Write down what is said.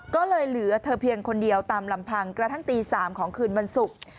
ก็เลยเหลือเธอเพียงคนเดียวตามลำพังกระทั่งตี๓ของคืนวันศุกร์